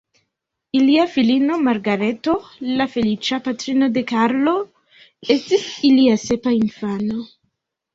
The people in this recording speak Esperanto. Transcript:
Ilia filino Margareto, la feliĉa patrino de Karlo, estis ilia sepa infano.